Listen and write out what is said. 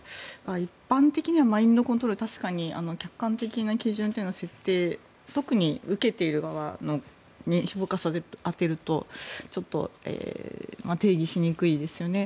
一般的にはマインドコントロールは確かに客観的な基準というのは特に受けている側に評価を当てると定義しにくいですよね。